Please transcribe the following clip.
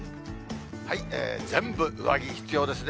全部上着必要ですね。